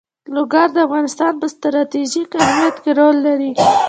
لوگر د افغانستان په ستراتیژیک اهمیت کې رول لري.